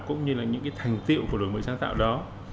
cũng như là những cái thành tiệu của đổi mới sáng tạo đó